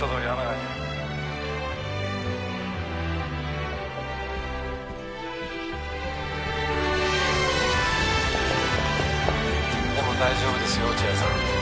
「でも大丈夫ですよ落合さん。